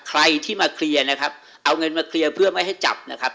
ใครที่มาเคลียร์นะครับเอาเงินมาเคลียร์เพื่อไม่ให้จับนะครับ